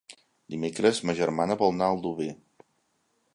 Dimecres ma germana vol anar a Aldover.